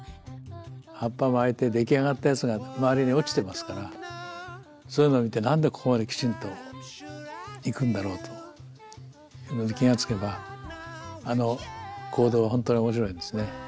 葉っぱ巻いて出来上がったやつが周りに落ちてますからそういうのを見て何でここまできちんといくんだろうというのに気が付けばあの行動は本当に面白いんですね。